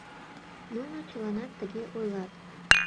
Нуно чыланат тыге ойлат.